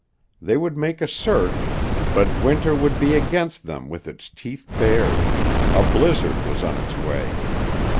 They would make a search, but winter would be against them with its teeth bared, a blizzard was on its way.